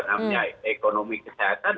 namanya ekonomi kesehatan